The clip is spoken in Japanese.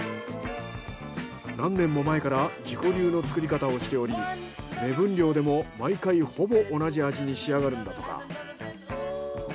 何年も前から自己流の作り方をしており目分量でも毎回ほぼ同じ味に仕上がるんだとか。